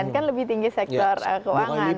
kan lebih tinggi sektor keuangan